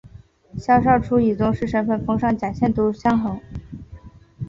萧韶初以宗室身份封上甲县都乡侯。